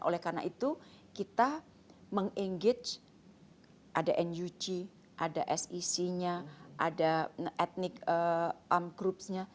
oleh karena itu kita meng engage ada nug ada sec nya ada etnic groups nya